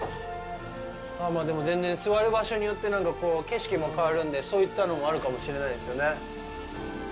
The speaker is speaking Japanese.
でも、全然、座る場所によって景色も変わるんで、そういったのもあるかもしれないですよね。